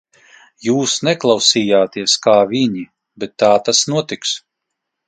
Jūs neklausījāties kā viņi, bet tā tas notiks!